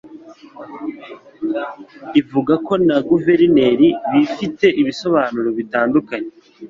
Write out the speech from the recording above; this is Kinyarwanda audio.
ivuga ko na guverinoma bifite ibisobanuro bitandukanye